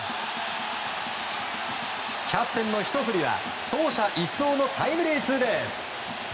キャプテンのひと振りは走者一掃のタイムリーツーベース！